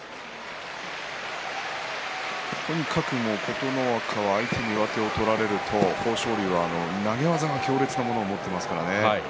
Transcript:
とにかく琴ノ若は相手に上手を取られると豊昇龍は、投げ技が強烈なもの持ってますからね。